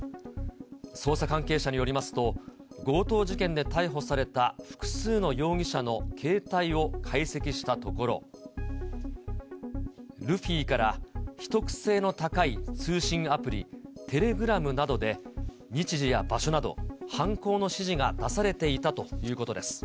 捜査関係者によりますと、強盗事件で逮捕された複数の容疑者の携帯を解析したところ、ルフィから秘匿性の高い通信アプリ、テレグラムなどで、日時や場所など犯行の指示が出されていたということです。